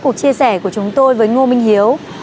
cuộc chia sẻ của chúng tôi với ngô minh hiếu